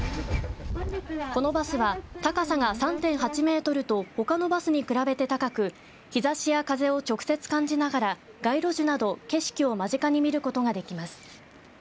このバスは高さが３．８メートルとほかのバスに比べて高く日ざしや風を直接感じながら街路樹など景色を間近で見ることができます。